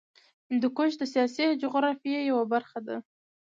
هندوکش د سیاسي جغرافیه یوه برخه ده.